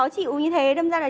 sao đây con